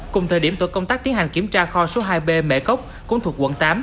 cùng thời điểm tổ công tác tiến hành kiểm tra kho số hai b mệ cốc cũng thuộc quận tám